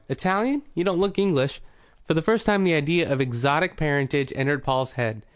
Italian? You don't look English." For the first time the idea of exotic parentage entered Paul's head.